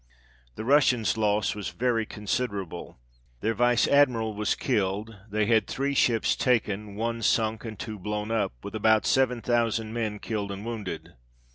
The Russians' loss was very considerable, their Vice Admiral was killed, they had three ships taken, one sunk, and two blown up ; with about 7000 men killed and wounded.